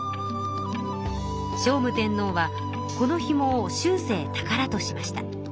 聖武天皇はこのひもを終生たからとしました。